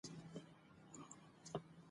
احمدشاه بابا د اسلامي اصولو رعایت کاوه.